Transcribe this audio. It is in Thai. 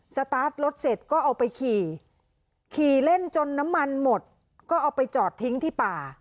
สตาร์ทรถเสร็จก็เอาไปขี่ขี่เล่นจนน้ำมันหมดก็เอาไปจอดทิ้งที่ป่า